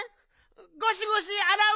ゴシゴシあらう！